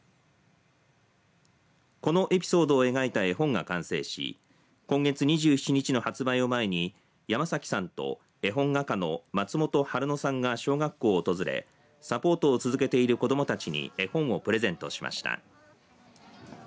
このエピソードを描いた絵本が完成し今月２７日の発売を前に山崎さんと絵本画家の松本春野さんが小学校を訪れサポートを続けている子どもたちに絵本をプレゼントしました。